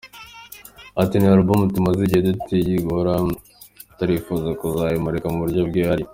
Ati “Ni album tumaze igihe dutegura, turifuza kuzayimurika mu buryo bwihariye.